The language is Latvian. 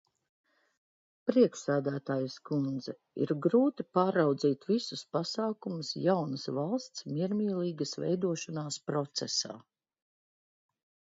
Priekšsēdētājas kundze, ir grūti pārraudzīt visus pasākumus jaunas valsts miermīlīgas veidošanās procesā.